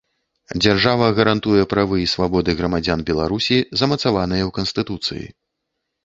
Дзяржава гарантуе правы і свабоды грамадзян Беларусі, замацаваныя ў Канстытуцыі.